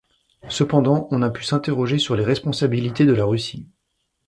Cependant on a pu s'interroger sur les responsabilités de la Russie.